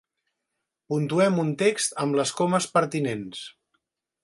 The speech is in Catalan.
Puntuem un text amb les comes pertinents.